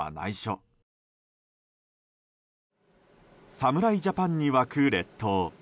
侍ジャパンに沸く列島。